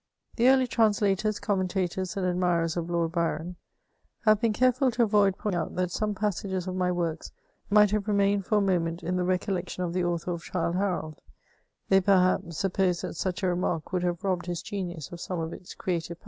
The early translators, commentators, and admirers of Lord Byron have been careful to avoid pointing out that some passages of my works might have remained for a moment in the recollection of the author of Childe Harold; they, per haps, supposed that such a remark would have robbed his genius of some of its creative pow».